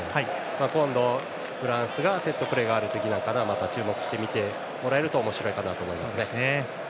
今度、フランスのセットプレーがある時は注目してみてもらえるとおもしろいかなと思います。